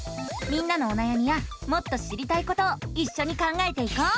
みんなのおなやみやもっと知りたいことをいっしょに考えていこう！